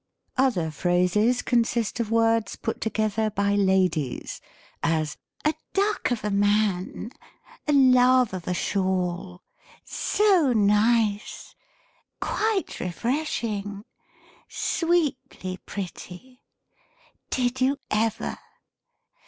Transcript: Other phrases consist of words put together by ladies : as, " A duck of a man," " A love of a shawl," "so nice," " quite refreshing," " sweetly pretty." " Did you ever